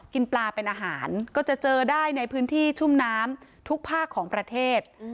กินปลาเป็นอาหารก็จะเจอได้ในพื้นที่ชุ่มน้ำทุกภาคของประเทศ